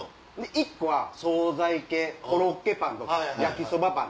１個は総菜系コロッケパンとか焼きそばパン。